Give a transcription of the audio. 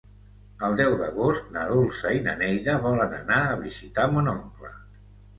El deu d'agost na Dolça i na Neida volen anar a visitar mon oncle.